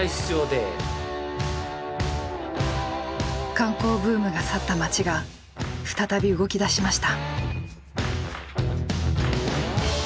観光ブームが去った街が再び動きだしました。